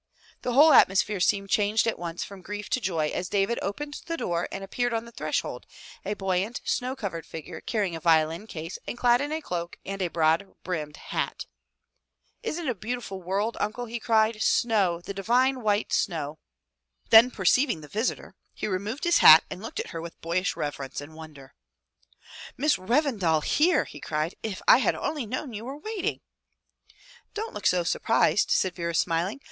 The whole atmosphere seemed changed at once from grief to joy as David opened the door and appeared on the threshold, a buoyant, snow covered figure carrying a violin case and clad in a cloak and a broad brimmed hat. "Isn't it a beautiful world, uncle," he cried, "snow, the divine 1 86 FROM THE TOWER WINDOW white snow!'' Then perceiving the visitor, he removed his hat and looked at her with boyish reverence and wonder. "Miss Revendal here!" he cried. "If I had only known you were waiting.*' "Don't look so surprised," said Vera, smiling.